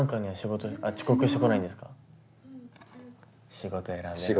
仕事選んでる。